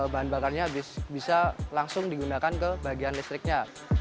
bahan bakarnya bisa langsung digunakan ke bagian listriknya